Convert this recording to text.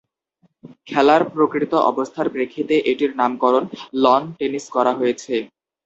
খেলার প্রকৃত অবস্থার প্রেক্ষিতে এটির নামকরণ লন টেনিস করা হয়েছে।